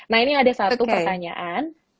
nah ini ada satu pertanyaan